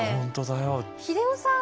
英世さん